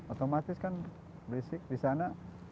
otomatis kan di sana